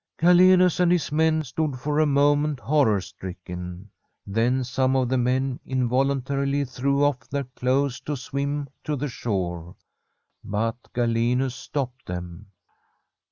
Galenus and his men stood for a moment horror stricken. Then some of the men invol untarily threw off their clothes to swim to the shore ; but Galenus stopped them.